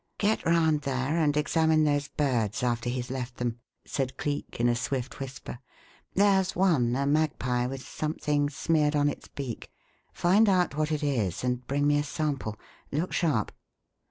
"Get round there and examine those birds after he's left them," said Cleek, in a swift whisper. "There's one a magpie with something smeared on its beak. Find out what it is and bring me a sample. Look sharp!"